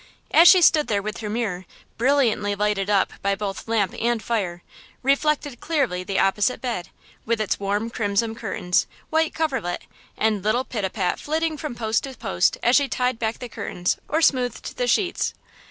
As she stood there her mirror, brilliantly lighted up by both lamp and fire, reflected clearly the opposite bed, with its warm crimson curtains, white coverlet and little Pitapat flitting from post to post as she tied back the curtains or smoothed the sheets.